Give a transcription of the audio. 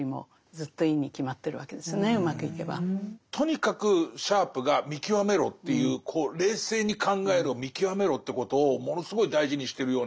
とにかくシャープが見極めろっていう冷静に考えろ見極めろってことをものすごい大事にしてるような気はしますね。